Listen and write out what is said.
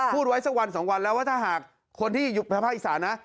พูดไว้สักวันสองวันแล้วว่าถ้าหากคนที่อยู่ภาคอีสานนะ